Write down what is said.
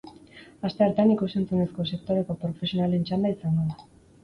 Asteartean ikus-entzunezko sektoreko profesionalen txanda izango da.